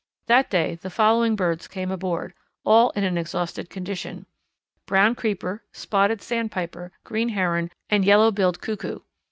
That day the following birds came aboard, all in an exhausted condition: Brown Creeper, Spotted Sandpiper, Green Heron, and Yellow billed Cuckoo.